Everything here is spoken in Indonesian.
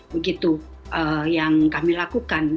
begitu yang kami lakukan